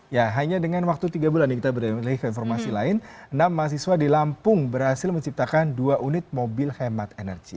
ya hanya dengan waktu tiga bulan nih kita beralih ke informasi lain enam mahasiswa di lampung berhasil menciptakan dua unit mobil hemat energi